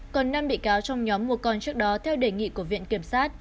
còn năm bị cáo trong nhóm mua con trước đó theo đề nghị của viện kiểm sát